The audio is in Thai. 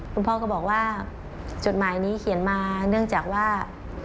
คุณพ่อก็บอกว่าจดหมายนี้เขียนมาเนื่องจากว่า